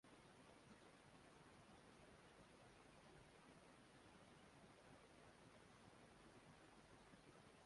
kazi yangu ilikuwa ni kuwapunguza wale thelathini na nane